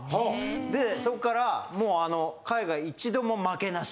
でそこからもう海外一度も負けなし。